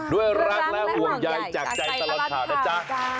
ด้วยรักและห่วงใยจากใจตลอดข่าวนะจ๊ะ